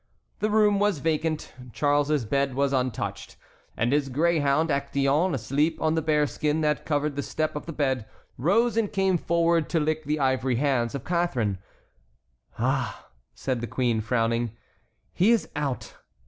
The room was vacant, Charles's bed was untouched, and his greyhound Actéon, asleep on the bear skin that covered the step of the bed, rose and came forward to lick the ivory hands of Catharine. "Ah!" said the queen, frowning, "he is out!